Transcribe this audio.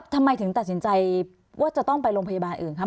ทำไมถึงตัดสินใจว่าจะต้องไปโรงพยาบาลอื่นคะ